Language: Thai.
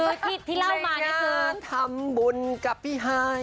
ในงานทำบุญกับผี้หาย